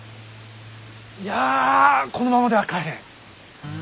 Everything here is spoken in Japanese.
いやこのままでは帰れん。